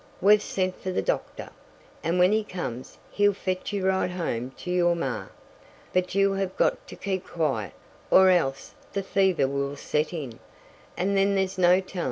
We've sent fer the doctor, and when he comes, he'll fetch you right home to your maw. But you have got to keep quiet, or else the fever will set in, and then there's no tellin'.